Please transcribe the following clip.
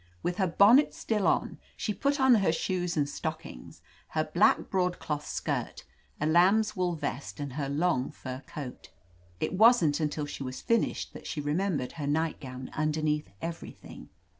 With her bonnet still on, she put on her shoes and stockings, her black broadcloth skirt, a lamb's wool vest and her long fur coat. It wasn't until she was finished that she remembered her nightgown tmder neath everything.